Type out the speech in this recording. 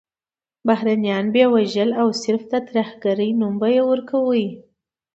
بهرنیان به یې وژل او صرف د ترهګرۍ نوم به یې ورکول.